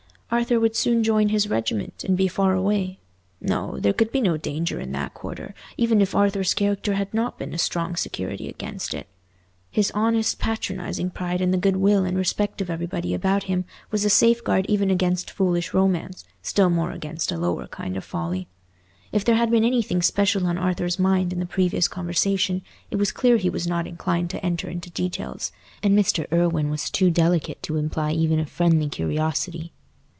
Arthur would soon join his regiment, and be far away: no, there could be no danger in that quarter, even if Arthur's character had not been a strong security against it. His honest, patronizing pride in the good will and respect of everybody about him was a safeguard even against foolish romance, still more against a lower kind of folly. If there had been anything special on Arthur's mind in the previous conversation, it was clear he was not inclined to enter into details, and Mr. Irwine was too delicate to imply even a friendly curiosity.